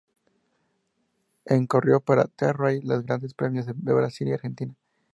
En corrió para Tyrrell los Grandes Premios de Brasil y Argentina.